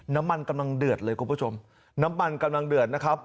น้ำมันกำลังเดือดเลยคุณผู้ชมน้ำมันกำลังเดือดนะครับ